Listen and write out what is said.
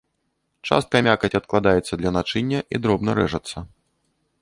Частка мякаці адкладаецца для начыння і дробна рэжацца.